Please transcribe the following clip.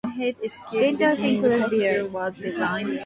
Dangers include bears.